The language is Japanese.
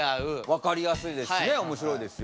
分かりやすいですねおもしろいですよ。